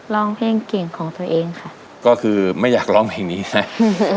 ร้องเพลงเก่งของตัวเองค่ะก็คือไม่อยากร้องเพลงนี้นะ